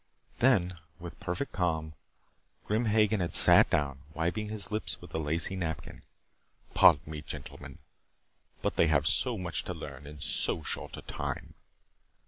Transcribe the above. Then, with perfect calm, Grim Hagen had sat down, wiping his lips with a lacy napkin. "Pardon me, gentlemen, but they have so much to learn in so short a time."